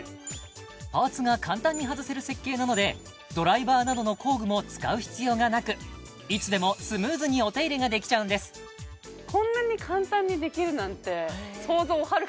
パーツが簡単に外せる設計なのでドライバーなどの工具も使う必要がなくいつでもスムーズにお手入れができちゃうんですしかもですね